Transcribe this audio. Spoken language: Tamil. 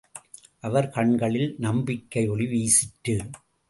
அவர் கண்களில் நம்பிக்கையொளி வீசிற்று.